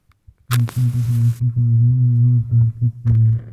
راکټ د خلایي تمدنونو لور ته حرکت کوي